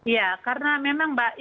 ya karena memang